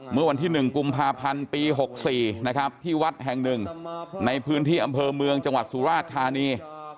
เมื่อวันที่๑กุมภาพันธ์ปี๖๔นะครับที่วัดแห่งหนึ่งในพื้นที่อำเภอเมืองจังหวัดสุราชธานี